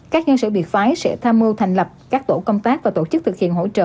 các nhân sự biệt phái sẽ tham mưu thành lập các tổ công tác và tổ chức thực hiện hỗ trợ